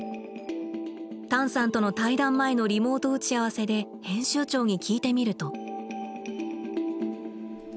タンさんとの対談前のリモート打ち合わせで編集長に聞いてみると。